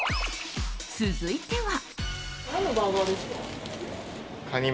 続いては。